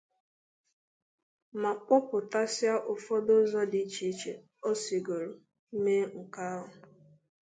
ma kpọpụtasịa ụfọdụ ụzọ dị iche iche o sigòrò mee nke ahụ